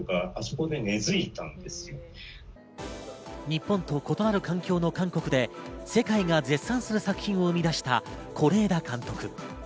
日本と異なる環境の韓国で世界が絶賛する作品を生み出した是枝監督。